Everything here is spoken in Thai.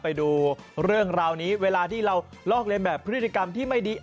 ไปดูเรื่องราวนี้เวลาที่เราลอกเรียนแบบพฤติกรรมที่ไม่ดี